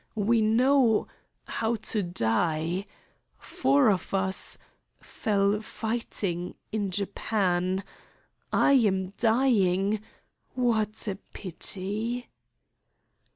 We know how to die. Four of us fell fighting in Japan. I am dying! What a pity!"